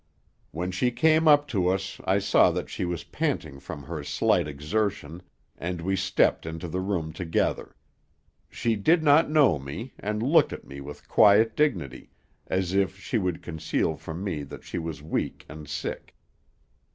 "When she came up to us I saw that she was panting from her slight exertion, and we stepped into the room together. She did not know me, and looked at me with quiet dignity, as if she would conceal from me that she was weak and sick.